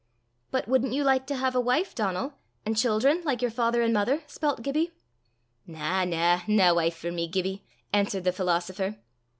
"But wouldn't you like to have a wife, Donal, and children, like your father and mother?" spelt Gibbie. "Na, na; nae wife for me, Gibbie!" answered the philosopher.